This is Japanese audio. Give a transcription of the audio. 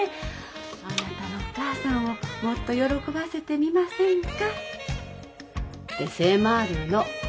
あなたのお母さんをもっと喜ばせてみませんか？」って迫るの。